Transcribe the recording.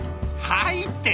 「はい」って！